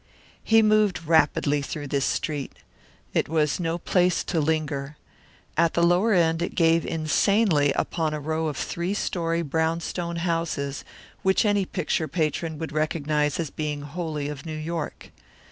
He moved rapidly through this street. It was no place to linger. At the lower end it gave insanely upon a row of three story brownstone houses which any picture patron would recognize as being wholly of New York.